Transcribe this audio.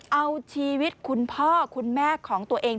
เอาชีวิตคุณพ่อคุณแม่ของตัวเอง